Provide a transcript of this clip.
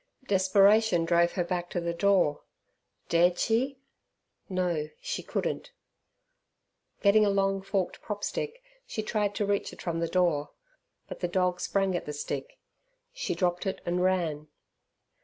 Desperation drove her back to the door. Dared she? No, she couldn't. Getting a long forked propstick, she tried to reach it from the door, but the dog sprang at the stick. She dropped it and ran.